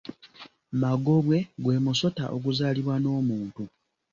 Magobwe gwe musota oguzaalibwa n’omuntu.